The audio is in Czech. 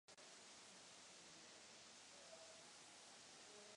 Největším městem a srdcem regionu je Brezno.